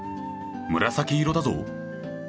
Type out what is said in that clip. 紫色だぞ。